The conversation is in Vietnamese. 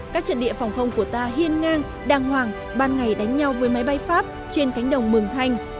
các trận địa phòng không của ta hiên ngang đàng hoàng ban ngày đánh nhau với máy bay pháp trên cánh đồng mường thanh